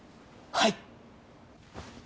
はい。